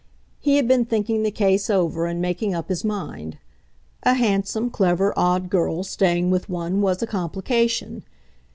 He had been thinking the case over and making up his mind. A handsome, clever, odd girl staying with one was a complication.